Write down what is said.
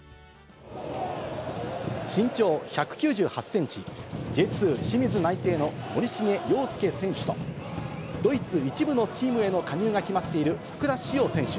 身長１９８センチ、Ｊ２・清水内定の森重陽介選手と、ドイツ１部のチームへの加入が決まっている福田師王選手。